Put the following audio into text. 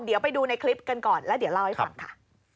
เดี๋ยวไปดูในคลิปกันก่อนแล้วเดี๋ยวเล่าให้ฟังค่ะ